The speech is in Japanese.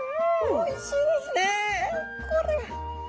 おいしいですねこれは。